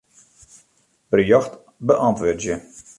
Berjocht beäntwurdzje.